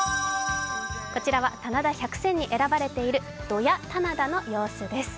こちらは棚田百選にえらばれている土谷棚田の様子です。